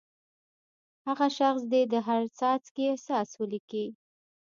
هغه شخص دې د هر څاڅکي احساس ولیکي.